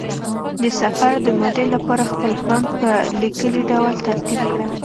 د سفر د مودې لپاره خپل پلان په لیکلي ډول ترتیب کړه.